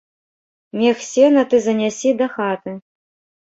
Мех сена ты занясі дахаты.